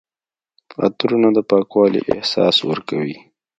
عطرونه د پاکوالي احساس ورکوي.